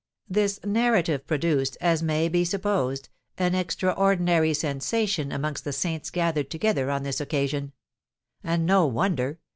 This narrative produced, as may be supposed, an extraordinary sensation amongst the saints gathered together on this occasion. And no wonder!